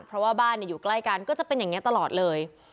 เพราะว่าบ้านอยู่ใกล้กันก็จะเป็นอย่างนี้ตลอดเลย